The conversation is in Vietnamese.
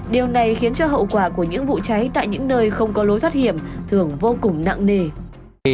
điều này khiến cho hậu quả của những vụ cháy tại những nơi không có lối thoát hiểm thường vô cùng nặng nề